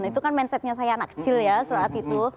itu kan mindsetnya saya anak kecil ya saat itu